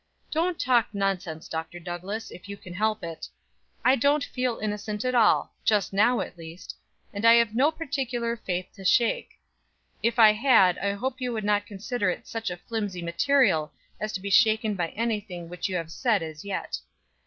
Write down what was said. "Don't talk nonsense, Dr. Douglass, if you can help it. I don't feel innocent at all, just now at least, and I have no particular faith to shake; if I had I hope you would not consider it such a flimsy material as to be shaken by any thing which you have said as yet.